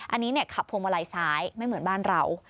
อันนี้ขับพวงมาลัยซ้ายไม่เหมือนบ้านเรา